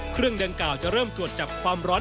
เครื่องดังกล่าวจะเริ่มตรวจจับความร้อน